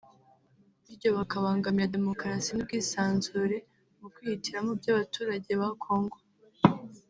biryo bakabangamira demokarasi n’ubwisanzure mu kwihitiramo by’abaturage ba Congo